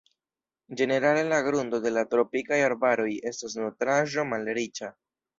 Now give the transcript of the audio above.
Ĝenerale la grundo de la tropikaj arbaroj estas nutraĵo-malriĉa.